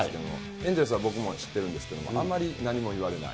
エンゼルスは僕も知ってるんですけど、あんまり何も言われない。